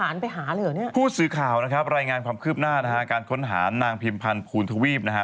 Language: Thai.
ไปหาเลยเหรอเนี่ยผู้สื่อข่าวนะครับรายงานความคืบหน้านะฮะการค้นหานางพิมพันธ์ภูณทวีปนะฮะ